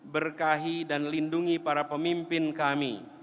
berkahi dan lindungi para pemimpin kami